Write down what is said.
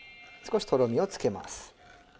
少しとろみをつけます。